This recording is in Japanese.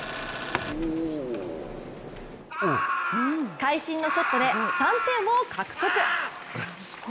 会心のショットで３点を獲得。